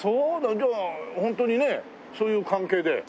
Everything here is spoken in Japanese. じゃあホントにねそういう関係で。